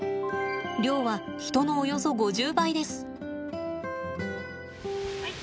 量は人のおよそ５０倍です。